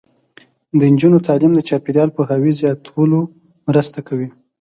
د نجونو تعلیم د چاپیریال پوهاوي زیاتولو مرسته کوي.